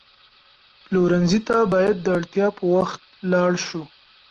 پلورنځي ته باید د اړتیا پر وخت لاړ شو.